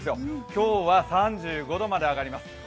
今日は３５度まで上がります。